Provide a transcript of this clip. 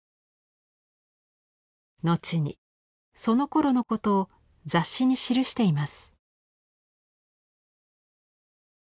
後にそのころのことを雑誌に記しています。